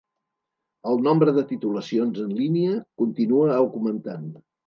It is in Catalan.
El nombre de titulacions en línia continua augmentant.